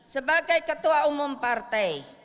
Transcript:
sebagai ketua umum partai